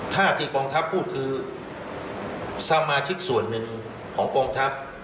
ถ้าที่กองทัพพูดคือสมาชิกส่วนหนึ่งของกองทัพ